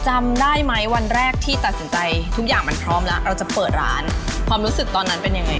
จำได้ไหมวันแรกที่ตัดสินใจทุกอย่างมันพร้อมแล้วเราจะเปิดร้านความรู้สึกตอนนั้นเป็นยังไง